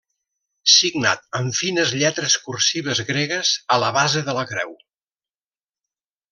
Signat amb fines lletres cursives gregues, a la base de la Creu.